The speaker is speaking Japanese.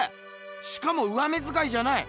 しかも上目づかいじゃない！